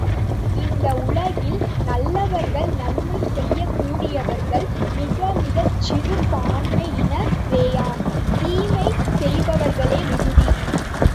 இந்த உலகில் நல்லவர்கள் நன்மை செய்யக்கூடியவர்கள் மிக மிகச் சிறுபான்மையினரேயாம் தீமை செய்பவர்களே மிகுதி.